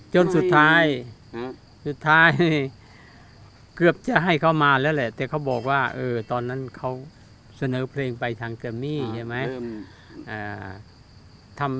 จนสุดท้ายสุดท้ายเกือบจะให้เขามาแล้วแหละแต่เขาบอกว่าตอนนั้นเขาเสนอเพลงไปทางแกมมี่ใช่ไหม